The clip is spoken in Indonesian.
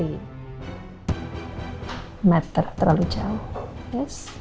tidak tidak terlalu jauh